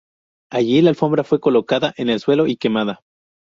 Allí la alfombra fue colocada en el suelo y quemada.